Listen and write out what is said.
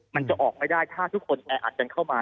มันจะออกไม่ได้ถ้าทุกคนแออัดกันเข้ามา